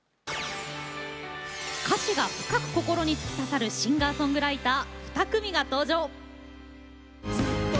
歌詞が深く心に突き刺さるシンガーソングライター２組が登場。